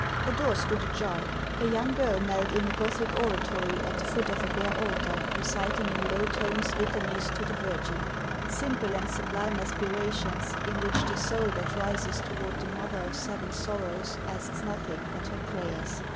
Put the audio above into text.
A door stood ajar; a young girl knelt in a Gothic oratory, at the foot of a bare altar, reciting in low tones litanies to the Virgin, — simple and sublime aspirations, in which the soul that rises toward the Mother of Seven Sorrows asks nothing but her prayers.